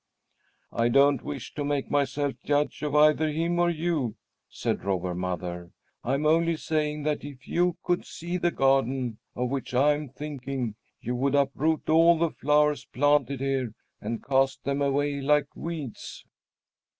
"I don't wish to make myself the judge of either him or you," said Robber Mother. "I'm only saying that if you could see the garden of which I am thinking you would uproot all the flowers planted here and cast them away like weeds."